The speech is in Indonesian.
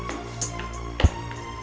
ntar kita ke rumah sakit